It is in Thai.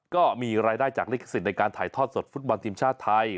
ก็มีรายได้จากลิขสิทธิ์ในการถ่ายทอดสดฟุตบอลทีมชาติไทย